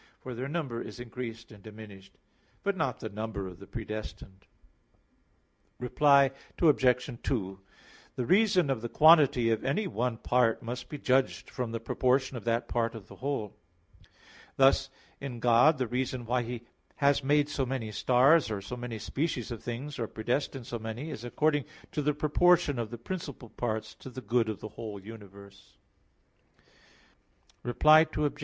For their number is increased and diminished, but not the number of the predestined. Reply Obj. 2: The reason of the quantity of any one part must be judged from the proportion of that part of the whole. Thus in God the reason why He has made so many stars, or so many species of things, or predestined so many, is according to the proportion of the principal parts to the good of the whole universe. Reply Obj.